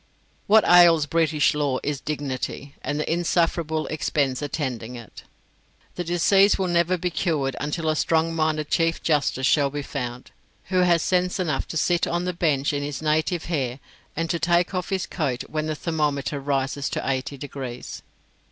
What ails British law is dignity, and the insufferable expense attending it. The disease will never be cured until a strong minded Chief Justice shall be found, who has sense enough to sit on the bench in his native hair, and to take off his coat when the thermometer rises to eighty degrees.